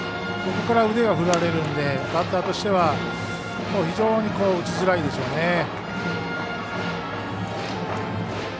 そこから腕が振られるのでバッターとしては非常に打ちづらいでしょうね。